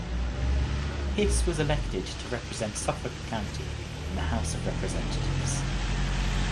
Hiss was elected to represent Suffolk County in the House of Representatives.